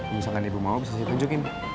misalkan ibu mau bisa saya tunjukin